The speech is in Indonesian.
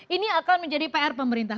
ini akan menjadi pr pemerintah